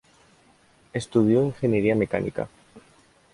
Estudió ingeniería mecánica.